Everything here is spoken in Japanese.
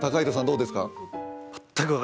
どうですか？